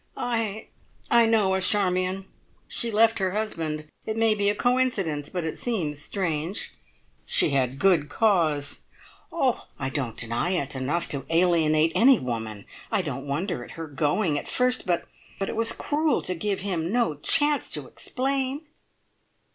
"I I know a Charmion. She left her husband. It may be a coincidence, but it seems strange. She had good cause " "Oh, I don't deny it. Enough to alienate any woman. I don't wonder at her going at first but, it was cruel to give him no chance to explain."